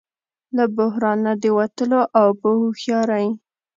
له بحران نه د وتلو او په هوښیارۍ